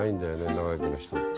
長生きの人って。